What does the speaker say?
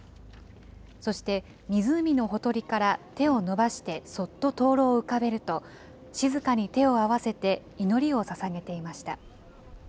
そして、湖のほとりから手を伸ばしてそっと灯籠を浮かべると、静かに手を合わせて、祈りをささげていました。